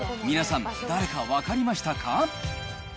皆さん、誰か分かりましたか？